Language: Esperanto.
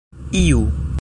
iu